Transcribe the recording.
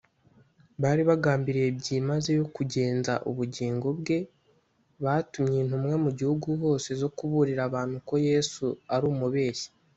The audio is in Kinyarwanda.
bari bagambiriye byimazeyo kugenza ubugingo bwe batumye intumwa mu gihugu hose zo kuburira abantu ko yesu ari umubeshyi